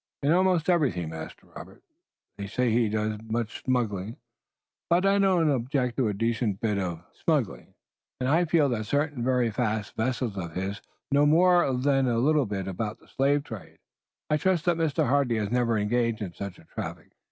"In almost everything, Master Robert. They say he does much smuggling but I don't object to a decent bit of smuggling and I fear that certain very fast vessels of his know more than a little about the slave trade." "I trust that Mr. Hardy has never engaged in such a traffic."